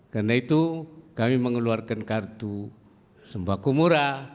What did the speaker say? karena itu kami mengeluarkan kartu sembah kumura